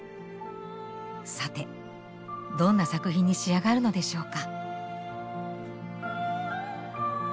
さてどんな作品に仕上がるのでしょうか？